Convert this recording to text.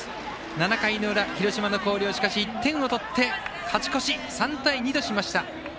７回の裏、広島の広陵しかし１点を取って勝ち越し、３対２としました。